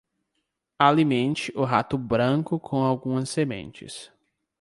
Alimente o rato branco com algumas sementes.